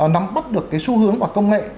nắm bắt được cái xu hướng của công nghệ